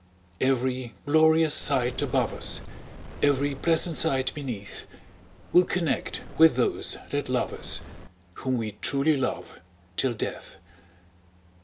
Every glorious sight above us, Every pleasant sight beneath, We'll connect with those that love us, Whom we truly love till death!